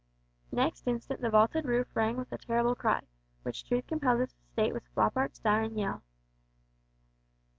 Next instant the vaulted roof rang with a terrible cry, which truth compels us to state was Floppart's dying yell.